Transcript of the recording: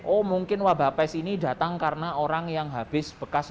oh mungkin wabah pes ini datang karena orang yang habis bekas